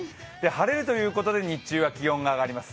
晴れるということで日中は気温が上がります。